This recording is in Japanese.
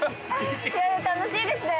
楽しいですね。